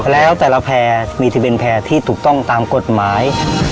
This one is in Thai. แล้วแต่ละแพร่มีทะเบียนแพร่ที่ถูกต้องตามกฎหมาย